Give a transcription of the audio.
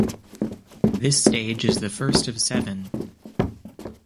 This stage is the first of seven.